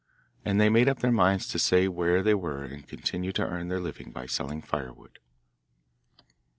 And they made up their minds to stay where they were and continue to earn their living by selling firewood.